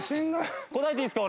答えていいですか？